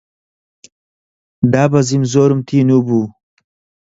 دابەزیم، زۆرم تینوو بوو